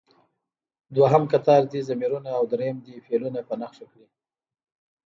دویم کتار دې ضمیرونه او دریم دې فعلونه په نښه کړي.